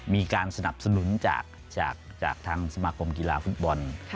มีการสนับสนุนจากทางสมาคมกีฬาฟุตบอล